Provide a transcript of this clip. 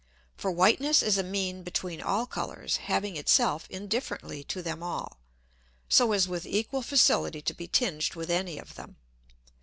For whiteness is a mean between all Colours, having it self indifferently to them all, so as with equal facility to be tinged with any of them.